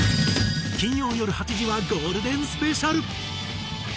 金曜よる８時はゴールデンスペシャル。